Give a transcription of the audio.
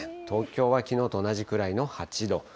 東京はきのうと同じくらいの８度。